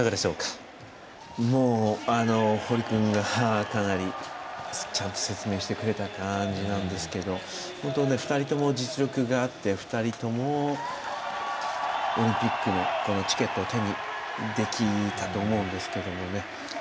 堀君が、かなりちゃんと説明してくれた感じなんですけど本当に２人とも実力があって２人ともオリンピックのチケットを手にできたと思うんですけどね。